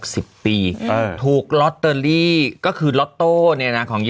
สุดท้ายสุดท้าย